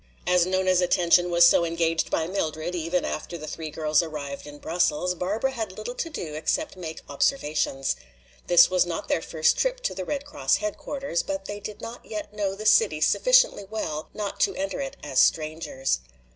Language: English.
As Nona's attention was so engaged by Mildred, even after the three girls arrived in Brussels, Barbara had little to do except make observations. This was not their first trip to the Red Cross headquarters, but they did not yet know the city sufficiently well not to enter it as strangers.